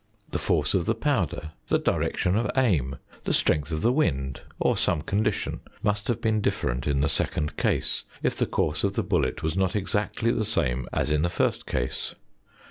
The force of the powder, the direction of aim, the strength of the wind, or some condition must have been different in the second case, if the course of the bullet was not exactly the same as in the first case.